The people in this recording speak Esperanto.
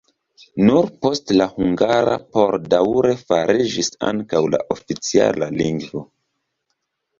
Nur poste la hungara por daŭre fariĝis ankaŭ la ofica lingvo.